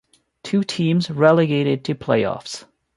Two teams relegated to Playoffs.